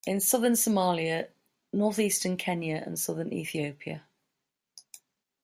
In Southern Somalia, North Eastern Kenya and Southern Ethiopia.